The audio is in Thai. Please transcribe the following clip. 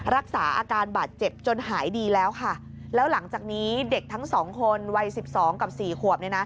รักษาอาการบาดเจ็บจนหายดีแล้วค่ะแล้วหลังจากนี้เด็กทั้งสองคนวัยสิบสองกับสี่ขวบเนี่ยนะ